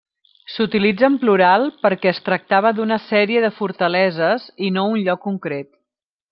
S'utilitza en plural perquè es tractava d'una sèrie de fortaleses i no un lloc concret.